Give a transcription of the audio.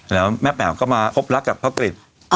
แล้วแม่แป๋วก็มาพบรักกับพ่อกริจ